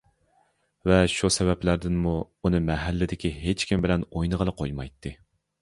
ۋە شۇ سەۋەبلەردىنمۇ ئۇنى مەھەللىدىكى ھېچكىم بىلەن ئوينىغىلى قويمايتتى.